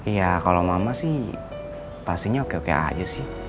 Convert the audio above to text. iya kalau mama sih pastinya oke oke aja sih